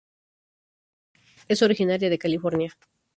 Es originaria de California.